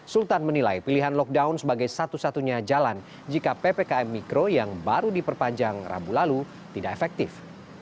sultan menilai pilihan lockdown sebagai satu satunya jalan jika ppkm mikro yang baru diperpanjang rabu lalu tidak efektif